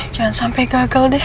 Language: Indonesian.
jangan sampai gagal deh